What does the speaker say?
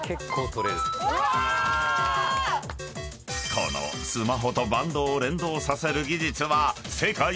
［このスマホとバンドを連動させる技術は世界初］